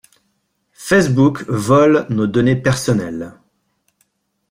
Facebook vole nos données personnelles.